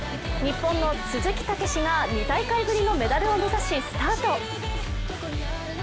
日本の鈴木猛史が２大会ぶりのメダルを目指しスタート。